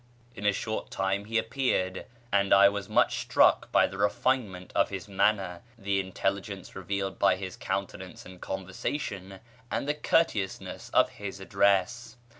In a short time he appeared; and I was much struck by the refinement of his manner, the intelligence revealed by his countenance and conversation, and the courteousness of his address.